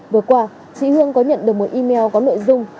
vừa qua chị hương có nhận được một email có nội dung